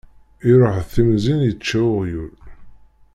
Iruḥ d timẓin yečča uɣyul.